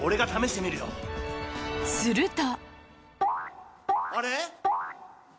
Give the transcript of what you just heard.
すると。